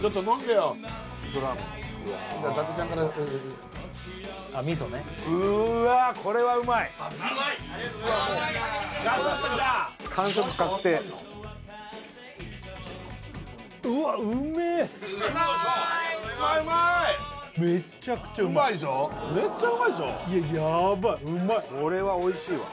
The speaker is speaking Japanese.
やばいうまいこれはおいしいわ